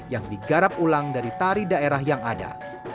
yang digarap ulang dari tari daerah yang ada